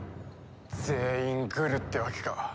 全員グルってわけか。